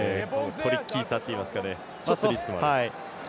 トリッキーな感じといいますかちょっとリスクのある。